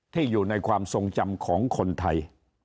อยู่ในความทรงจำของคนไทย